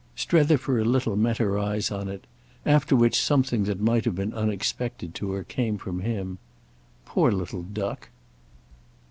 Strether for a little met her eyes on it; after which something that might have been unexpected to her came from him. "Poor little duck!"